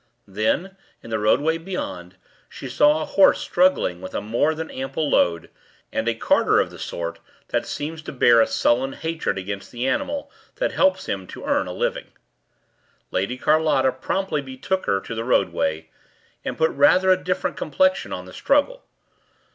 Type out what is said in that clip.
Then, in the roadway beyond, she saw a horse struggling with a more than ample load, and a carter of the sort that seems to bear a sullen hatred against the animal that helps him to earn a living. Lady Carlotta promptly betook her to the roadway, and put rather a different complexion on the struggle.